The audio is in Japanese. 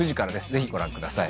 ぜひご覧ください。